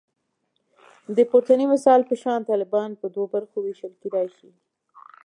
د پورتني مثال په شان طالبان په دوو برخو ویشل کېدای شي